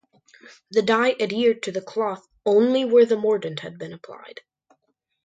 The dye adhered to the cloth only where the mordant had been applied.